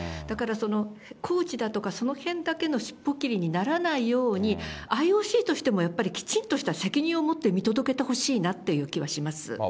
だからコーチだとか、そのへんだけのしっぽ切りにならないように、ＩＯＣとしてもやっぱりきちっとした責任をもって見届けてほしいなという気はします。